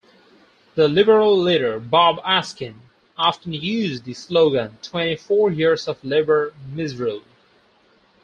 The Liberal leader, Bob Askin, often used the slogan Twenty-four years of Labor misrule.